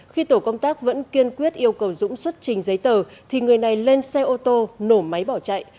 khi tổ công tác vẫn kiên quyết yêu cầu dũng xuất trình giấy tờ thì người này lên xe ô tô nổ máy bỏ chạy